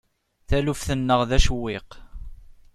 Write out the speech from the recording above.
Taluft-nneɣ d acewwiq.